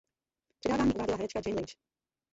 Předávání uváděla herečka Jane Lynch.